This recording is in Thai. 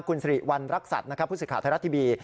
คุณสิริวันรักษัตริย์ผู้ศึกข่าวไทยรัฐทีบี